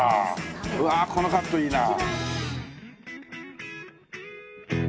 うわこのカットいいなあ。